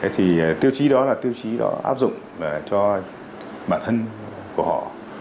thì tiêu chí đó là tiêu chí đó áp dụng cho bản thân của họ